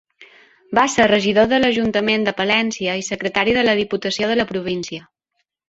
Va ser regidor de l'ajuntament de Palència i secretari de la diputació de la província.